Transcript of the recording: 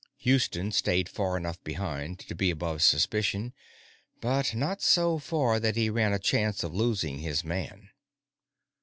Houston stayed far enough behind to be above suspicion, but not so far that he ran a chance of losing his man.